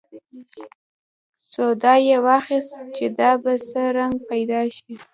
سودا یې واخیست چې دا به څه رنګ پیدا شي.